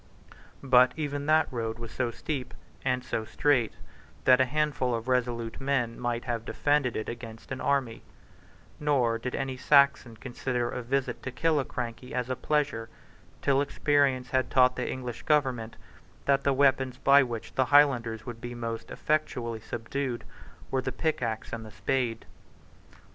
But even that road was so steep and so strait that a handful of resolute men might have defended it against an army; nor did any Saxon consider a visit to Killiecrankie as a pleasure, till experience had taught the English Government that the weapons by which the Highlanders could be most effectually subdued were the pickaxe and the spade.